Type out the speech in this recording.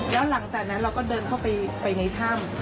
แล้วหลังจากนั้นเราก็เดินเข้าไปในถ้ำ